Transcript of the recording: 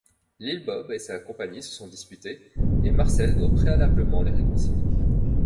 Little Bob et sa compagne se sont disputés et Marcel doit préalablement les réconcilier.